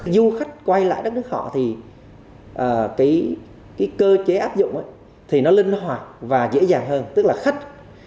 du khách quay lại đất nước họ thì cái cơ chế áp dụng thì nó linh hoạt và dễ dàng hơn tức là khách